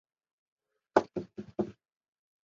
裂叶翼首花为川续断科翼首花属下的一个种。